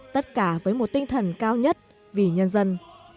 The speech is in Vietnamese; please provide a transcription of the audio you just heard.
tất cả với một tinh thần cao nhất vì nhân dân